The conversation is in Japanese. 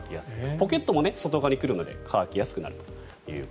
ポケットも外側に来るので乾きやすくなると。